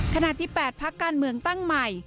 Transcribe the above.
ขณะที่๘พักการเมืองตั้งใหม่